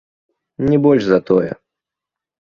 Не больш за тое.